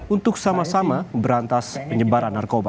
untuk sama sama berantas penyebaran narkoba